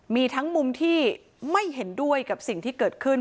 มีทั้งมุมที่ไม่เห็นด้วยกับสิ่งที่เกิดขึ้น